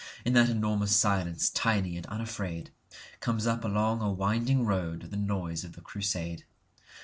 In that enormous silence, tiny and unafraid, Comes up along a winding road the noise of the Crusade.